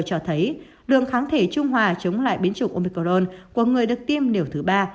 cho thấy lượng kháng thể trung hòa chống lại biến chủng omicron của người được tiêm liều thứ ba